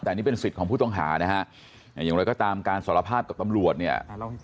แต่นี่เป็นสิทธิ์ของผู้ต้องหานะฮะอย่างไรก็ตามการสารภาพกับตำรวจเนี่ย